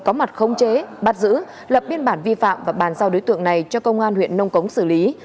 có mặt không chế bắt giữ lập biên bản vi phạm và bàn giao đối tượng này cho công an huyện nông cống xử lý